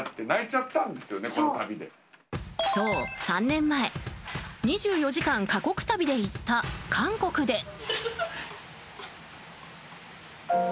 そう、３年前２４時間過酷旅で行った韓国で。